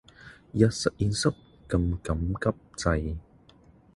入實驗室㩒緊急掣